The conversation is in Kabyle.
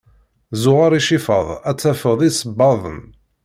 zuɣer icifaḍ ar tafeḍ isebbaḍen.